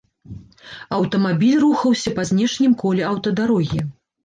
Аўтамабіль рухаўся па знешнім коле аўтадарогі.